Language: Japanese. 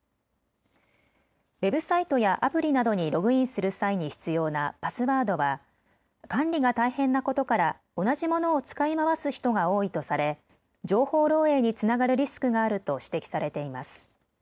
ウェブサイトやアプリなどにログインする際に必要なパスワードは管理が大変なことから同じものを使い回す人が多いとされ情報漏えいにつながるリスクがあると指摘されています。